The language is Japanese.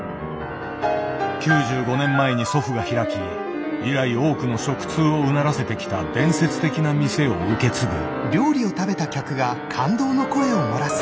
９５年前に祖父が開き以来多くの食通をうならせてきた伝説的な店を受け継ぐ。